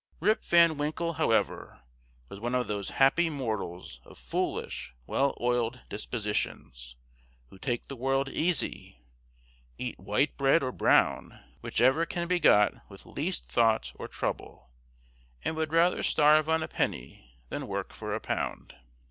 Rip Van Winkle, however, was one of those happy mortals, of foolish, well oiled dispositions, who take the world easy, eat white bread or brown, whichever can be got with least thought or trouble, and would rather starve on a penny than work for a pound.